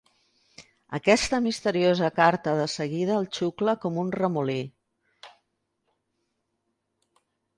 Aquesta misteriosa carta de seguida el xucla com un remolí.